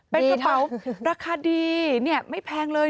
เป็นกระเป๋าราคาดีไม่แพงเลย